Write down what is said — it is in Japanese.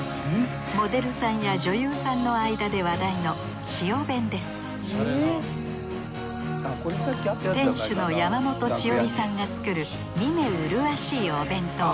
モデルさんや女優さんの間で話題の店主の山本千織さんが作る見目麗しいお弁当。